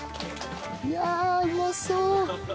いやうまそう！